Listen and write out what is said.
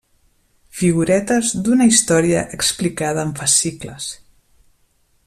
Figuretes d'una història explicada en fascicles.